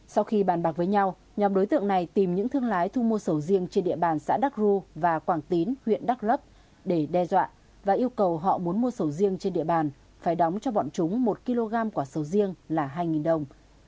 sau khi bàn bạc với nhau nhóm đối tượng này tìm những thương lái thu mua sầu riêng trên địa bàn xã đắc ru và quảng tín huyện đắk lấp để đe dọa và yêu cầu họ muốn mua sầu riêng trên địa bàn phải đóng cho bọn chúng một kg quả sầu riêng là hai đồng